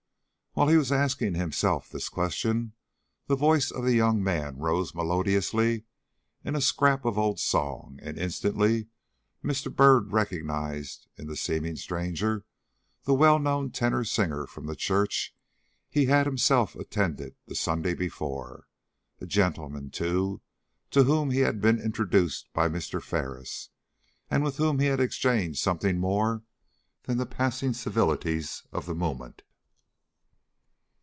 While he was asking himself this question, the voice of the young man rose melodiously in a scrap of old song, and instantly Mr. Byrd recognized in the seeming stranger the well known tenor singer of the church he had himself attended the Sunday before a gentleman, too, to whom he had been introduced by Mr. Ferris, and with whom he had exchanged something more than the passing civilities of the moment.